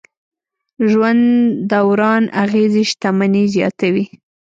ژوند دوران اغېزې شتمني زیاتوي.